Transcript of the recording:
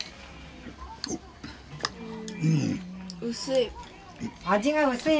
薄い。